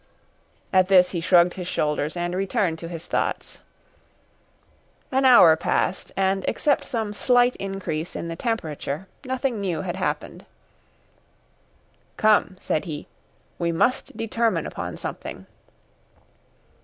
At this he shrugged his shoulders and returned to his thoughts. Another hour passed, and, except some slight increase in the temperature, nothing new had happened. "Come," said he, "we must determine upon something."